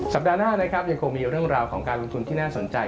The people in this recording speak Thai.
สัปดาห์หน้ายังคงมีเรื่องราวของการลงทุนที่น่าสนใจ